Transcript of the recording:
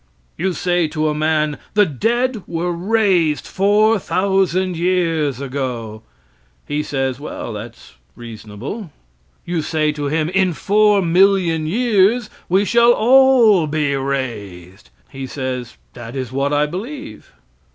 You say to a man: "The dead were raised 4,000 years ago." He says, "Well, that's reasonable." You say to him, "In 4,000,000 years we shall all be raised." He says, "That is what I believe."